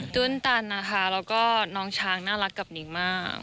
ตุ้นตันนะคะแล้วก็น้องช้างน่ารักกับนิ้งมาก